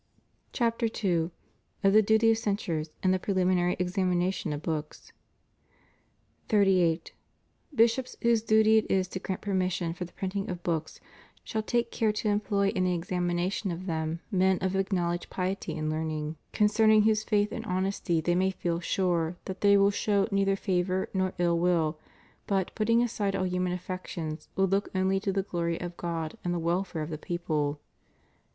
CHAPTER II. Of the Duty of Censors in the Preliminary Examination of Books. 38. Bishops whose duty it is to grant permission for the printing of books shall take care to employ in the exami nation of them men of acknowledged piety and learning. THE PROHIBITION AND CENSORSHIP OF BOOKS. 419 concerning whose faith and honesty they may feel sure that they will show neither favor nor ill will, but, putting aside all human affections, will look only to the glory of God and the welfare of the people.